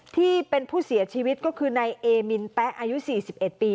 ที่เป็นผู้เสียชีวิตก็คือนายเอมินแป๊ะอายุ๔๑ปี